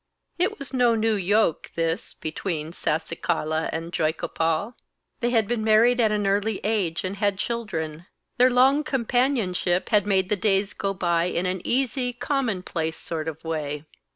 It was no new yoke this between Sasikala and Joygopal. They had been married at an early age and had children. Their long companionship had made the days go by in an easy, commonplace sort of way.